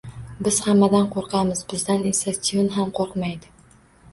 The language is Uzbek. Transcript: Biz hammadan qo’rqamiz, bizdan esa chivin ham qo’rqmaydi